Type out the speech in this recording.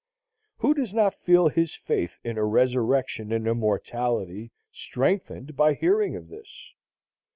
Who does not feel his faith in a resurrection and immortality strengthened by hearing of this?